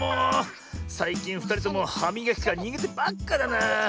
さいきんふたりともはみがきからにげてばっかだなあ。